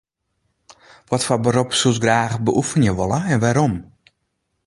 Watfoar berop soest graach beoefenje wolle en wêrom?